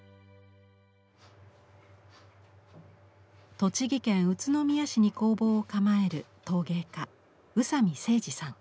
栃木県宇都宮市に工房を構える陶芸家宇佐美成治さん。